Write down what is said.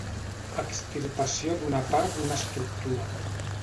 Extirpació d'una part d'una estructura.